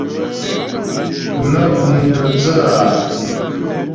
Nə́ pʉ́mtə̀ dhə́ a.